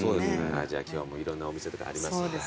じゃあ今日はもういろんなお店とかありますんで。